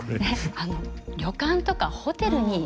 旅館とかホテルに。